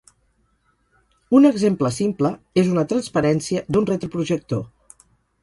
Un exemple simple és una transparència d'un retroprojector.